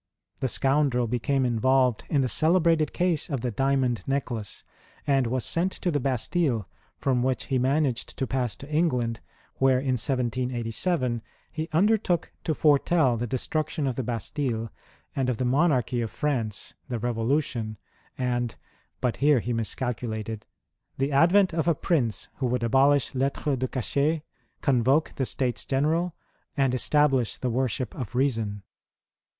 The scoundrel became involved in the celebrated case of the "Diamond Necklace," and was sent to the Bastile, from which he managed to pass to England, Avhere, in 1787, he undertook to foretell the destruction of the Bastile, and of the Monarchy of France, the Revolution, and — but here he miscalculated — the advent of a Prince who would abolish Lettres cle Cachet, convoke the States General, and establish the worship of Reason.